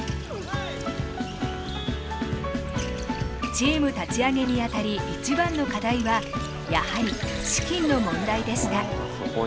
チーム立ち上げにあたり一番の課題はやはり資金の問題でした。